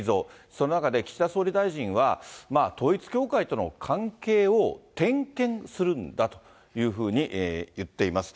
その中で岸田総理大臣は、統一教会との関係を点検するんだというふうに言っています。